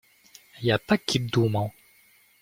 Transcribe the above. Я так и думал!